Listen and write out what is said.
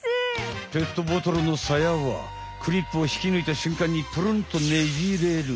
ペットボトルのサヤはクリップをひきぬいたしゅんかんにプルンとねじれる。